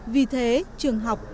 vì thế trường học